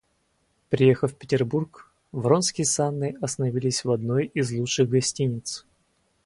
Приехав в Петербург, Вронский с Анной остановились в одной из лучших гостиниц.